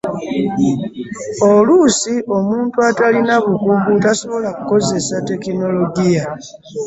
oluusi omuntu atalina bukugu tasobola kukozesa tekinologiya.